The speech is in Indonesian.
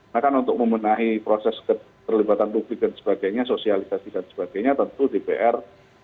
nah kan untuk membenahi proses keterlibatan publik dan sebagainya sosialisasi dan sebagainya tentu dpr